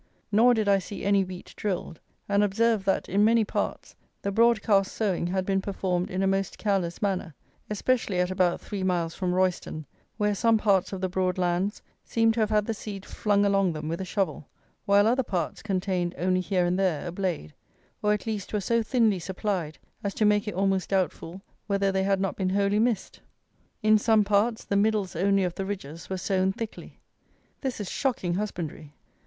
Nor did I see any wheat drilled; and observed that, in many parts, the broad cast sowing had been performed in a most careless manner, especially at about three miles from Royston, where some parts of the broad lands seemed to have had the seed flung along them with a shovel, while other parts contained only here and there a blade; or, at least, were so thinly supplied as to make it almost doubtful whether they had not been wholly missed. In some parts the middles only of the ridges were sown thickly. This is shocking husbandry.